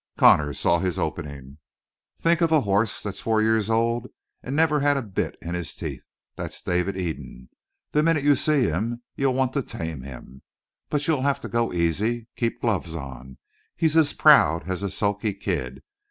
Connor saw his opening. "Think of a horse that's four years old and never had a bit in his teeth. That's David Eden. The minute you see him you'll want to tame him. But you'll have to go easy. Keep gloves on. He's as proud as a sulky kid.